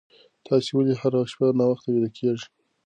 تاسي ولې هره شپه ناوخته ویده کېږئ؟